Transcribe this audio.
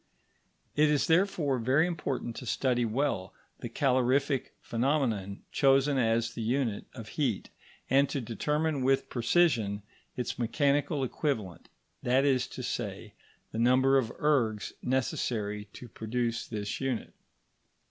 It is therefore very important to study well the calorific phenomenon chosen as the unit of heat, and to determine with precision its mechanical equivalent, that is to say, the number of ergs necessary to produce this unit.